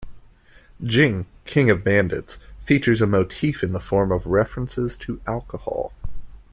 "Jing: King of Bandits" features a motif in the form of references to alcohol.